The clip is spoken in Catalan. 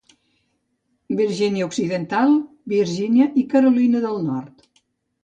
Virgínia Occidental, Virgínia i Carolina del Nord.